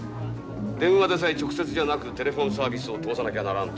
電話でさえ直接じゃなくテレフォンサービスを通さなきゃならんという。